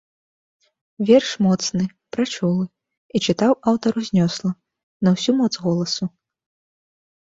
Верш моцны, прачулы, і чытаў аўтар узнёсла, на ўсю моц голасу.